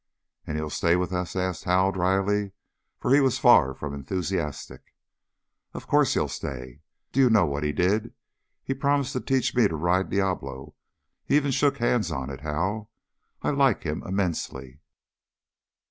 "And he'll stay with us?" asked Hal dryly, for he was far from enthusiastic. "Of course he'll stay. Do you know what he did? He promised to try to teach me to ride Diablo, and he even shook hands on it! Hal, I like him immensely!"